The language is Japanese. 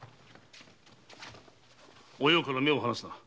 おようから目を離すな。